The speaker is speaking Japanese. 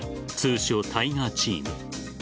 通称・タイガーチーム。